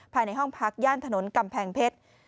ภายในห้องพักย่านถนนกำแพงเพชร